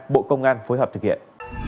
bộ công an phối hợp thực hiện